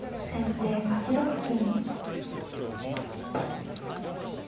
先手８六金。